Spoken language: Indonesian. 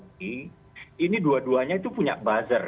yang sudah diharamkan oleh mui ini dua duanya itu punya buzzer